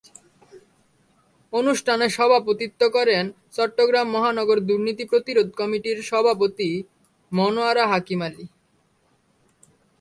অনুষ্ঠানে সভাপতিত্ব করেন চট্টগ্রাম মহানগর দুর্নীতি প্রতিরোধ কমিটির সভাপতি মনোয়ারা হাকিম আলী।